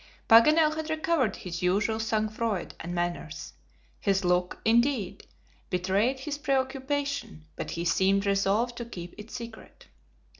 Paganel had recovered his usual sang froid and manners. His look, indeed, betrayed his preoccupation, but he seemed resolved to keep it secret.